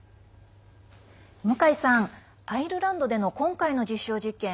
向井さん、アイルランドでの今回の実証実験。